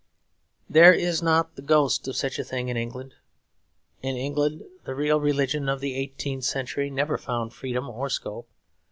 There is not the ghost of such a thing in England. In England the real religion of the eighteenth century never found freedom or scope.